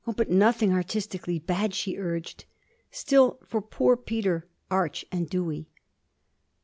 'Oh but nothing artistically bad,' she urged still, for poor Peter, arch and dewy.